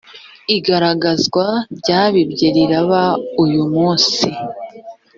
igagazwa ryabibye riraba uyumunsi.